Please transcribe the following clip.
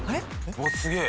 うわっすげえ！